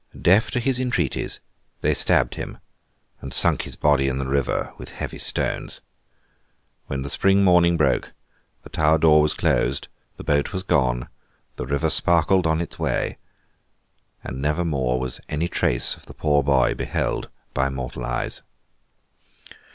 Deaf to his entreaties, they stabbed him and sunk his body in the river with heavy stones. When the spring morning broke, the tower door was closed, the boat was gone, the river sparkled on its way, and never more was any trace of the poor boy beheld by mortal eyes.